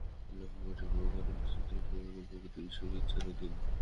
লক্ষ কোটি প্রকারে মিশ্রিত এই সমগ্র প্রকৃতি ঈশ্বরের ইচ্ছার অধীন।